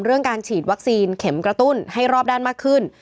เรื่องการฉีดวัคซีนเข็มกระตุ้นให้รอบด้านมากขึ้น